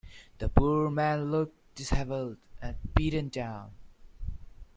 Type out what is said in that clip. The poor man looked dishevelled and beaten down.